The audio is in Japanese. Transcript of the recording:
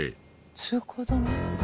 通行止め？